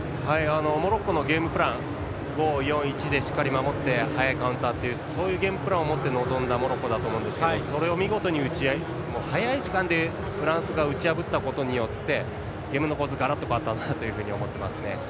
モロッコのゲームプラン５−４−１でしっかり守って速いカウンターというゲームプランを持って臨んだモロッコだと思うんですがそれを見事に早い時間でフランスが打ち破ったことによってゲームの構図がガラッと変わったと思っています。